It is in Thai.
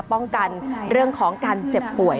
ป้องกันเรื่องของการเจ็บป่วย